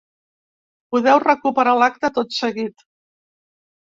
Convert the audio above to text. Podeu recuperar l’acte tot seguit.